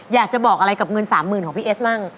อยากจะบอกอะไรกับเงิน๓๐๐๐ของพี่เอสมั่ง